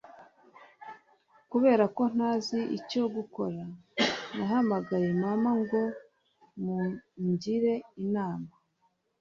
Kubera ko ntazi icyo gukora, nahamagaye mama ngo mungire inama